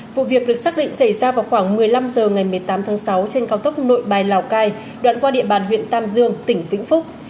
vụ việc được xác định xảy ra vào khoảng một mươi năm h ngày một mươi tám tháng sáu trên cao tốc nội bài lào cai đoạn qua địa bàn huyện tam dương tỉnh vĩnh phúc